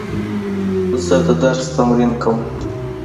زه د درس تمرین کوم.